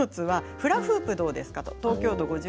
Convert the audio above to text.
フラフープはどうですか？